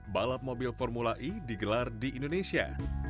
balap mobil formula e digelar di indonesia